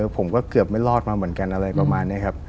ผมก็เกือบไม่รอดมาเหมือนกันอะไรประมาณนี้ครับ